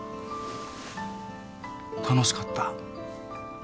楽しかった。